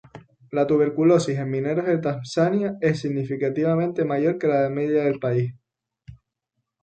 La tuberculosis en mineros de Tanzania es significativamente mayor que la media del país.